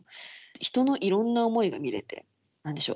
人のいろんな思いが見れて何でしょう